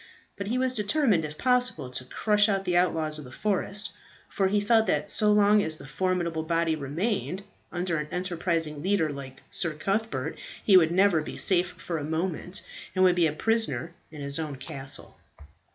But he was determined if possible to crush out the outlaws of the forest, for he felt that so long as this formidable body remained under an enterprising leader like Sir Cuthbert, he would never be safe for a moment, and would be a prisoner in his own castle.